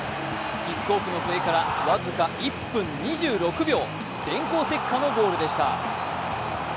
キックオフの笛から僅か１分２６秒、電光石火のゴールでした。